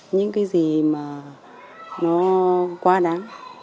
những cái gì mà nó quá đáng